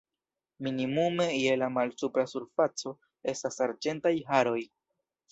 Minimume je la malsupra surfaco estas arĝentaj haroj.